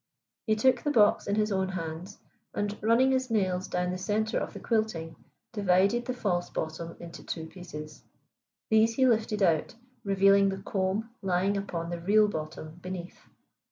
He took the box in his own hands and, running his nails down the center of the quilting, divided the false bottom into two pieces; these he lifted out, revealing the comb lying upon the real bottom beneath.